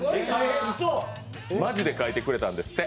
マジで描いてくれたんですって。